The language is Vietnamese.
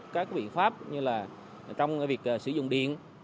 các biện pháp như là trong việc sử dụng điện